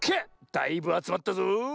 だいぶあつまったぞ。